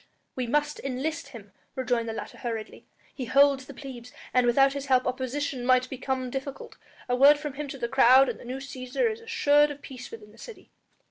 "We must enlist him," rejoined the latter hurriedly; "he holds the plebs, and without his help our position might become difficult. A word from him to the crowd and the new Cæsar is assured of peace within the city."